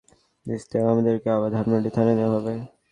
পরে রাত সাড়ে নয়টার দিকে ইশতিয়াক আহমেদকে আবার ধানমন্ডি থানায় নেওয়া হয়।